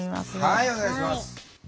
はいお願いします。